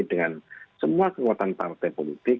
dengan semua kekuatan partai politik